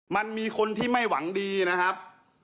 มันมีคนที่ไม่หวังดีนะครับ